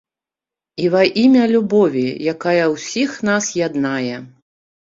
І ва імя любові, якая ўсіх нас яднае.